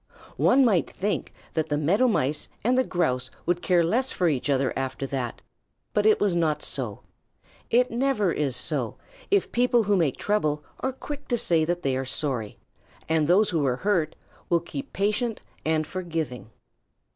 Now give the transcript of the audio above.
One might think that the Meadow Mice and the Grouse would care less for each other after that, but it was not so. It never is so if people who make trouble are quick to say that they are sorry, and those who were hurt will keep patient and forgiving.